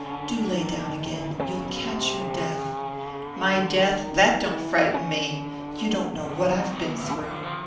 "Do lay down again. You'll catch your death." "My death? That don't frighten me! You don't know what I've been through."